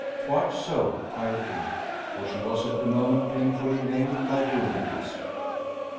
"Quite so," I agreed. For she was at the moment painfully lamed by rheumatism.